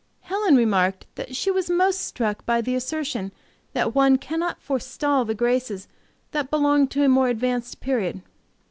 Helen remarked that she was most struck by the assertion that one cannot forestall the graces that belong to a more advanced period.